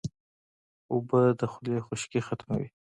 اوبه د خولې خشکي ختموي